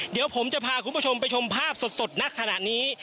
เดี๋ยวผมจะพาคุณผู้ชมไปชมภาพสดณขณะนี้